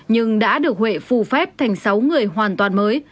nhưng đã được huệ phù phép thành sáu người hoàn toàn mới